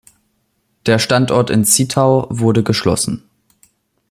Der Standort in Zittau wurde geschlossen.